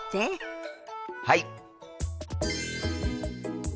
はい！